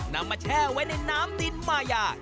นำมาแช่ไว้ในน้ำดินมายา